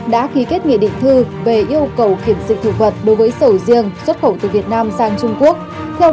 đã ký kết nghị định thư về yêu cầu kiểm dịch thực vật đối với sầu riêng xuất khẩu từ việt nam sang trung quốc